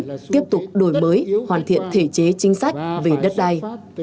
tiếp tục đổi mới hoàn thiện thể chế chính sách về đất đai